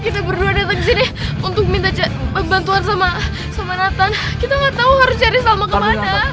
kita berdua dateng ke sini untuk minta bantuan sama nathan kita gak tau harus cari salma kemana